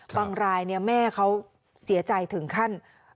บางรายแม่เขาเสียใจถึงขั้น